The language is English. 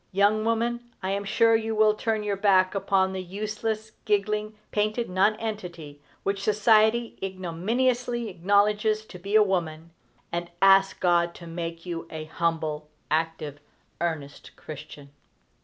Young woman, I am sure you will turn your back upon the useless, giggling, painted nonentity which society ignominiously acknowledges to be a woman, and ask God to make you an humble, active, earnest Christian.